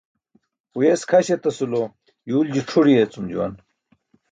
Huyes kʰaś etasulo yuulji c̣ʰur yeecum juwan.